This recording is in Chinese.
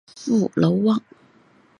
祖父娄旺。